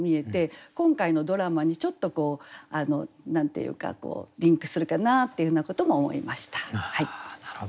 今回のドラマにちょっとリンクするかなっていうようなことも思いました。